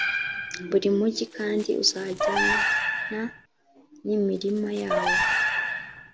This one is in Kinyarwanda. buri mugi kandi, uzajyana n’imirima yawo.